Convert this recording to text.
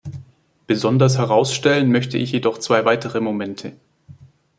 Besonders herausstellen möchte ich jedoch zwei weitere Momente.